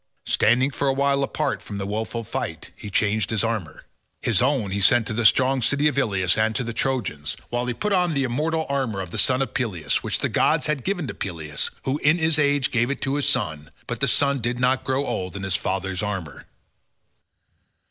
Standing for a while apart from the woeful fight, he changed his armour. His own he sent to the strong city of Ilius and to the Trojans, while he put on the immortal armour of the son of Peleus, which the gods had given to Peleus, who in his age gave it to his son; but the son did not grow old in his father's armour.